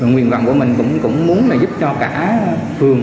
nguyện vận của mình cũng muốn giúp cho cả phường